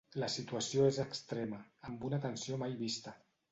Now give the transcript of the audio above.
La situació és extrema, amb una tensió mai vista.